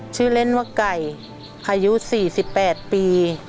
ชื่อเล่นว่าไก่อายุ๔๘ปี